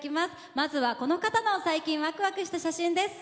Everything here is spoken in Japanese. まずは、この方の最近ワクワクした写真です。